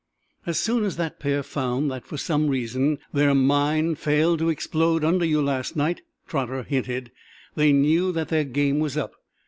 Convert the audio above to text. "As soon as that pair found that, for some reason, their mine failed to explode under you last night," Trotter hinted, "they knew that their game was up.